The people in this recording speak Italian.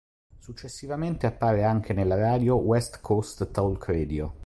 Successivamente appare anche nella radio West Coast Talk Radio.